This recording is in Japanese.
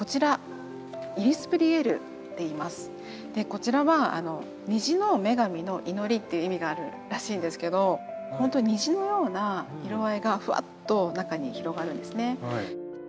こちらは「虹の女神の祈り」っていう意味があるらしいんですけどほんとに虹のような色合いがふわっと中に広がるんですね。